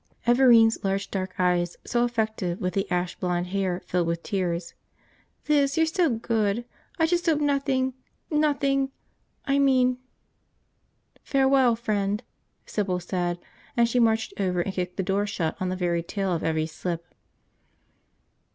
Everine's large dark eyes, so effective with the ash blond hair, filled with tears. "Liz, you're so good! I just hope nothing – nothing – I mean ..." "Farewell, friend," Sybil said, and she marched over and kicked the door shut on the very tail of Evvie's slip.